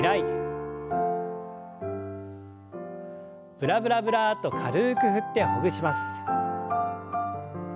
ブラブラブラッと軽く振ってほぐします。